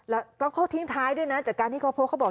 แล้วเขาทิ้งท้ายด้วยนะจากการที่เขาโพสต์เขาบอก